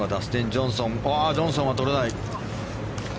ジョンソンはとれない。